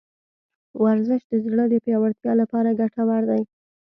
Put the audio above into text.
ورزش د زړه د پیاوړتیا لپاره ګټور دی.